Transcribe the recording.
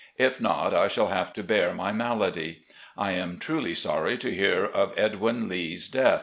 If not, I shall have to bear my malady. I am truly sorry to hear of Edwin Lee's death.